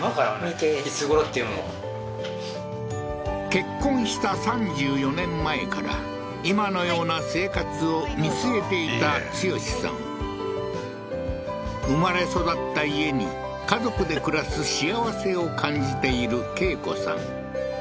結婚した３４年前から今のような生活を見据えていた剛さん生まれ育った家に家族で暮らす幸せを感じている恵子さん